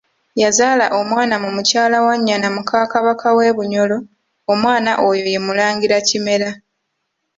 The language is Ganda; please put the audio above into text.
Yazaala omwana mu Mukyala Wannyana muka Kabaka w'e Bunyoro, omwana oyo ye Mulangira Kimera.